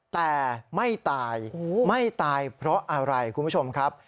แต่ไม่ตายไม่ตายเพราะอะไรคุณผู้ชมครับ